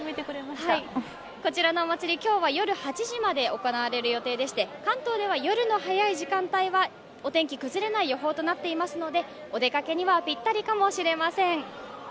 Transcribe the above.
こちらのお祭り、今日は夜８時まで行われる予定でして、関東では夜の早い時間帯はお天気崩れない予報となっていますので、お出かけにはぴったりかもしれません。